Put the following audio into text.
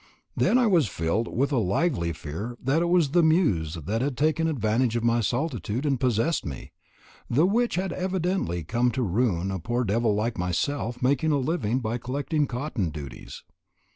Then I was filled with a lively fear that it was the Muse that had taken advantage of my solitude and possessed me the witch had evidently come to ruin a poor devil like myself making a living by collecting cotton duties.